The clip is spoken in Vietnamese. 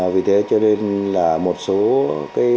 vì thế cho nên là một số cái